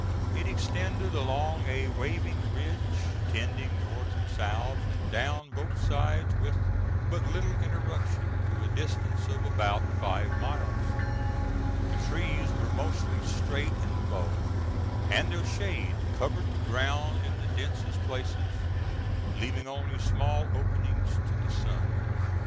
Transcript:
It extended along a waving ridge tending north and south and down both sides with but little interruption for a distance of about five miles. The trees were mostly straight in the bole, and their shade covered the ground in the densest places, leaving only small openings to the sun.